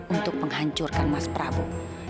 untuk menghancurkan mas prabu